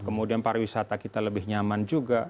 kemudian pariwisata kita lebih nyaman juga